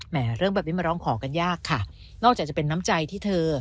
เรื่องแบบนี้มาร้องขอกันยากค่ะนอกจากจะเป็นน้ำใจที่เธอ